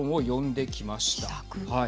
はい。